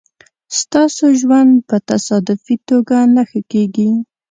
ستاسو ژوند په تصادفي توګه نه ښه کېږي.